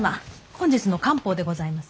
本日の官報でございます。